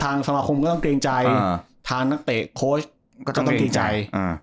สมาคมก็ต้องเกรงใจทางนักเตะโค้ชก็ต้องเกรงใจ